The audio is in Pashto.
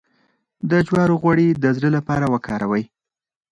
د جوارو غوړي د زړه لپاره وکاروئ